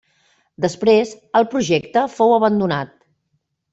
Després el projecte fou abandonat.